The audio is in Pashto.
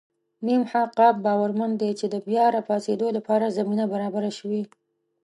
مح ق باورمن دی چې د بیا راپاڅېدو لپاره زمینه برابره شوې.